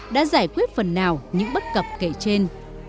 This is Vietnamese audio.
đã giải quyết phần nào những bất cập kể trên